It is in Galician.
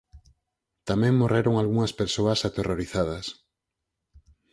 Tamén morreron algunhas persoas aterrorizadas.